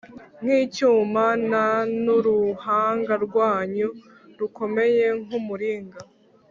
Nk icyuma n n uruhanga rwanyu rukomeye nk umuringa